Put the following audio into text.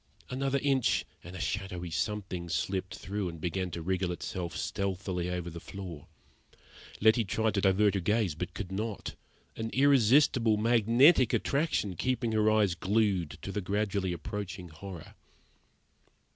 Another inch, and a shadowy something slipped through and began to wriggle itself stealthily over the floor. Letty tried to divert her gaze, but could not an irresistible, magnetic attraction kept her eyes glued to the gradually approaching horror.